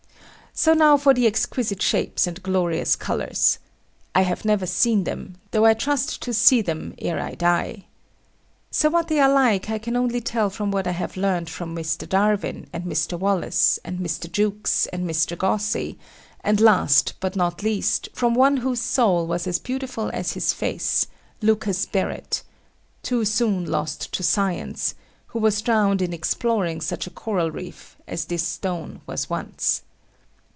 So now for the exquisite shapes and glorious colours. I have never seen them; though I trust to see them ere I die. So what they are like I can only tell from what I have learnt from Mr. Darwin, and Mr. Wallace, and Mr. Jukes, and Mr. Gosse, and last, but not least, from one whose soul was as beautiful as his face, Lucas Barrett, too soon lost to science, who was drowned in exploring such a coral reef as this stone was once.